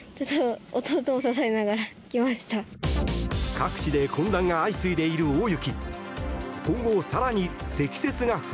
各地で混乱が相次いでいる大雪。